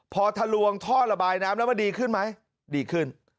พอทะลวงท่อระบายน้ำแล้วมันดีขึ้นไหมดีขึ้น